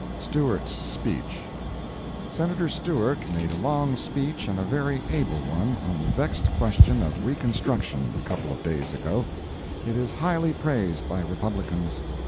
STEWART'S SPEECH. Senator Stewart made a long speech and a very able one on the vexed question of reconstruction, a couple of days ago. It is highly praised by Republicans.